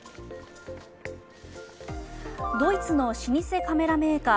ドイツの老舗カメラメーカー